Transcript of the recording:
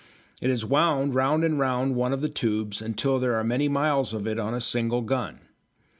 It is wound round and round one of the tubes until there are many miles of it on a single gun.